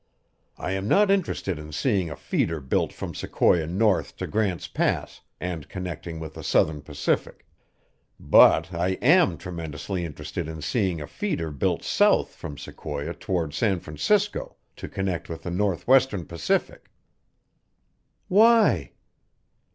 I am not interested in seeing a feeder built from Sequoia north to Grant's Pass, and connecting with the Southern Pacific, but I am tremendously interested in seeing a feeder built south from Sequoia toward San Francisco, to connect with the Northwestern Pacific." "Why?"